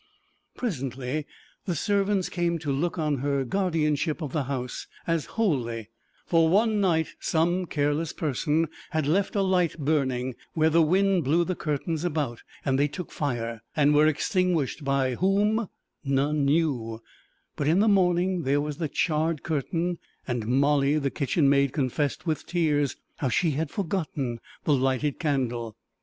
Presently the servants came to look on her guardianship of the house as holy, for one night some careless person had left a light burning where the wind blew the curtains about, and they took fire, and were extinguished, by whom none knew; but in the morning there was the charred curtain, and Molly, the kitchenmaid, confessed with tears how she had forgotten the lighted candle.